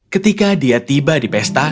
ketika dia tiba di pesta